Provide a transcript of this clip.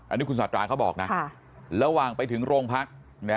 อันนี้คุณสาธาเขาบอกนะระหว่างไปถึงโรงพัก